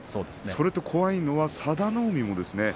それと怖いのは佐田の海もですね